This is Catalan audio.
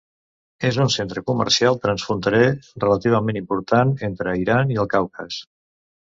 És un centre comercial transfronterer relativament important entre Iran i el Caucas.